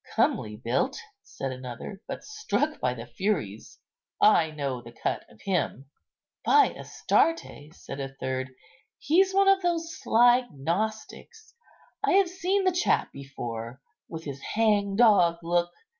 "Comely built," said another, "but struck by the furies. I know the cut of him." "By Astarte," said a third, "he's one of those sly Gnostics! I have seen the chap before, with his hangdog look.